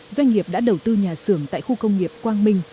doanh nghiệp đã đầu tư nhà xưởng tại khu công nghiệp quang minh